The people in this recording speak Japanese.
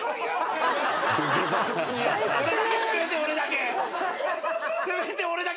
俺だけせめて俺だけ。